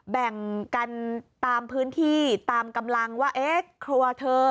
แบ่งกันตามพื้นที่ตามกำลังว่าเอ๊ะครัวเธอ